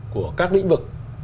của các lĩnh vực